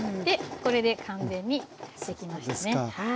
でこれで完全にできましたね。